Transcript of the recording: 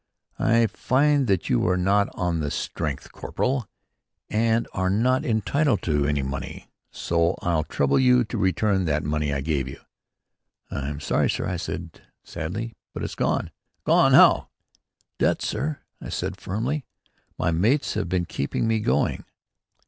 "I find that you are not on the strength, corporal, and are not entitled to any money, so I'll trouble you to return that money I gave you." "I'm sorry, sir," I said sadly, "but it's gone." "Gone? How?" "Debts, sir," I said firmly. "My mates have been keeping me going."